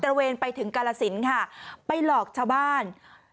ระเวนไปถึงกาลสินค่ะไปหลอกชาวบ้าน